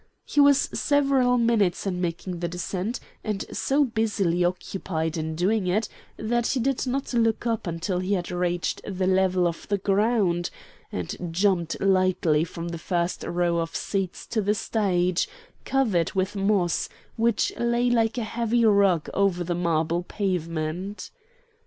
He was several minutes in making the descent, and so busily occupied in doing it that he did not look up until he had reached the level of the ground, and jumped lightly from the first row of seats to the stage, covered with moss, which lay like a heavy rug over the marble pavement.